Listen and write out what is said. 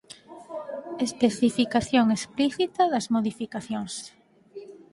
Especificación explícita das modificacións.